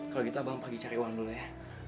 kalau gitu abang pergi cari uang dulu ya